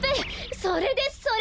それですそれ！